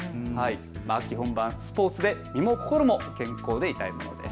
秋本番、スポーツで身も心も健康でいたいものです。